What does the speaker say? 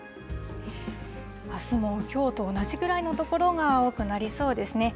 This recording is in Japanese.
あすもきょうと同じぐらいの所が多くなりそうですね。